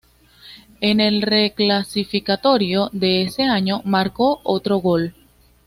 En el reclasificatorio de ese año marcó otro gol.